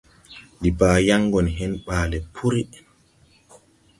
Ndi baa yan go ne hen baale pùrí.